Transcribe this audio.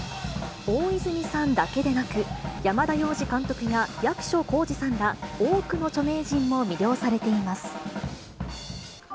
大泉さんだけでなく、山田洋次監督や役所広司さんら多くの著名人も魅了されています。